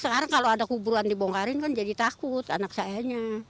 sekarang kalau ada kuburan dibongkarin kan jadi takut anak sayanya